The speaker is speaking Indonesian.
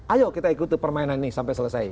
ayo kita ikuti permainan ini sampai selesai